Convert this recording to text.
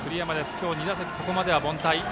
今日２打席、ここまでは凡退。